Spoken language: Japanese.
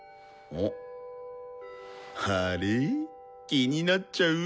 気になっちゃう？